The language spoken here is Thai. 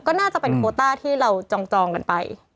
ก็น่าจะเป็นโคต้าที่เราจองกันไป